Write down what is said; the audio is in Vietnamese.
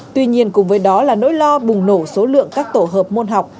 tuy nhiên cùng với đó là nỗi lo bùng nổ số lượng các tổ hợp môn học